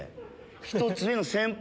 １つ上の先輩！